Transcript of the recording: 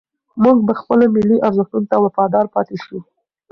موږ به خپلو ملي ارزښتونو ته وفادار پاتې شو.